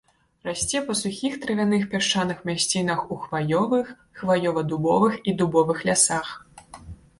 Расце па сухіх травяных пясчаных мясцінах у хваёвых, хваёва-дубовых і дубовых лясах.